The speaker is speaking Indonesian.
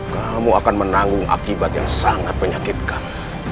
kamu akan menanggung akibat yang sangat menyakitkan